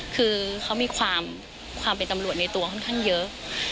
คือเขามีความเป็นตำรวจในตัวค่อนข้างเยอะ